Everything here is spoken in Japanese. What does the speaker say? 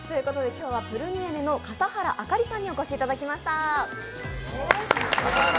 今日はプルミエメの笠原朱理さんにお越しいただきました。